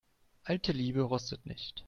Alte Liebe rostet nicht.